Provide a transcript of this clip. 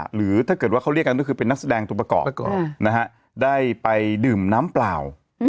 หรือถ้าเกิดว่าเขาเรียกกันก็คือเป็นนักแสดงตัวประกอบได้ไปดื่มน้ำเปล่า